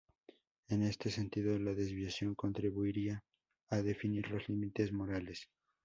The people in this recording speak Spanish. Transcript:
En este sentido la desviación contribuiría a definir los límites morales.